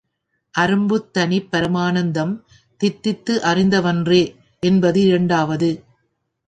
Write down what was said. அரும்புந் தனிப் பரமானந்தம் தித்தித்து அறிந்தவன்றே என்பது இரண்டாவது.